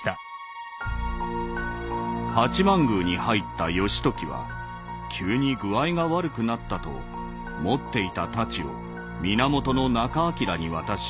「八幡宮に入った義時は急に具合が悪くなったと持っていた太刀を源仲章に渡し館に帰った」。